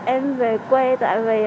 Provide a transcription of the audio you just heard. em về quê tại vì